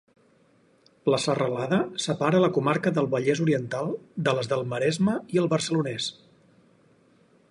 La serralada separa la comarca del Vallès Oriental de les del Maresme i el Barcelonès.